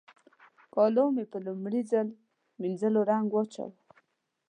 کالو مې په لومړي ځل مينځول رنګ واچاوو.